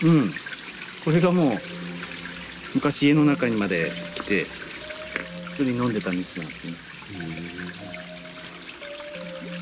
これがもう昔家の中にまで来て普通に飲んでた水なんですね。